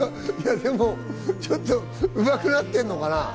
でも、ちょっとうまくなってるのかな？